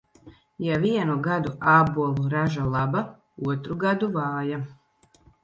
Ja vienu gadu ābolu raža laba, otru gadu vāja.